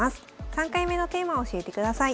３回目のテーマを教えてください。